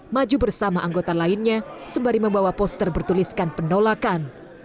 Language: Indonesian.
maju bersama anggota lainnya sembari membawa poster bertuliskan penolakan